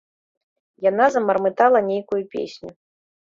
Яна замармытала нейкую песню.